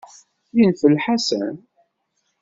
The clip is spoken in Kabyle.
Yenfel Ḥasan.